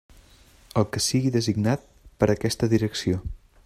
El que sigui designat per aquesta Direcció.